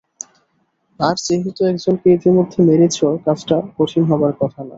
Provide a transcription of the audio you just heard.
আর যেহেতু একজনকে ইতোমধ্যে মেরেছ, কাজটা কঠিন হবার কথা না।